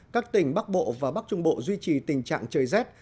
các tỉnh bắc bộ và bắc trung bộ duy trì tình trạng trời rét